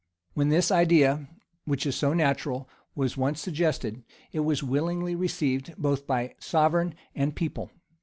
When this idea, which is so natural, was once suggested, it was willingly received both by sovereign and people.